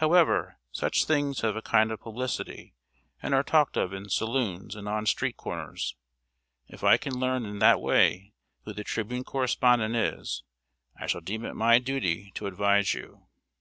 However, such things have a kind of publicity; are talked of in saloons and on street corners. If I can learn in that way who The Tribune correspondent is, I shall deem it my duty to advise you."